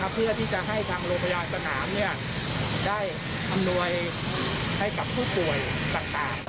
เพื่อที่จะให้ทางโรงพยาบาลสนามได้อำนวยให้กับผู้ป่วยต่าง